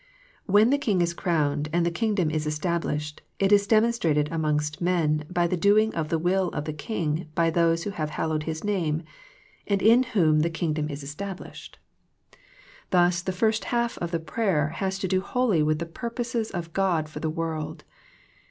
When the King is crowned and the Kingdom es tablished it is demonstrated amongst men by the doing of the will of the King by those who have hallowed His Name, and in whom the Kingdom THE PLANE OF PEAYEE 69 is established. Thus the first half of the prayer has to do wholly with the purposes of God for the world.